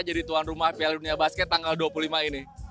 jadi tuan rumah piala dunia basket tanggal dua puluh lima ini